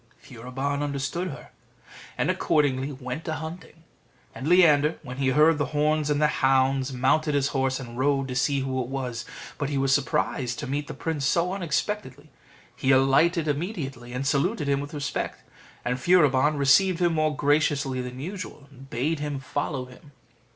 Furibon understood her, and accordingly went a hunting; and Leander, when he heard the horns and the hounds, mounted his horse, and rode to see who it was. But he was surprised to meet the prince so unexpectedly: he alighted immediately, and saluted him with respect; and Furibon received him more graciously than usual, and bade him follow him.